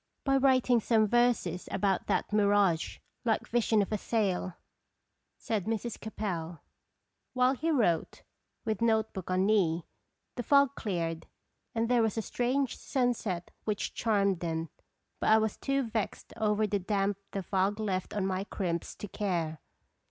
" By writing some verses about that mirage like vision of a sail," said Mrs. Capel. While he wrote, with note book on knee, the fog cleared, and there was a strange sun set which charmed them, but I was too vexed over the damp the fog left on my crimps to care.